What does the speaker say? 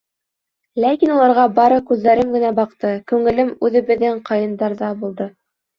Ләкин уларға бары күҙҙәрем генә баҡты, күңелем үҙебеҙҙең ҡайындарҙа булды.